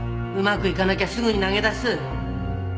うまくいかなきゃすぐに投げ出す。